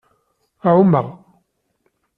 Ɛumeɣ.